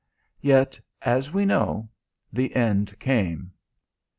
Yet, as we know, the end came.